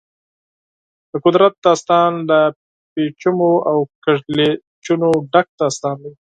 د قدرت داستان له پېچومو او کږلېچونو ډک داستان دی.